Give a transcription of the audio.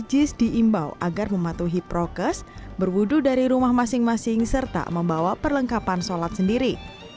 jis diimbau agar mematuhi prokes berwudu dari rumah masing masing serta membawa perlengkapan sholat sendiri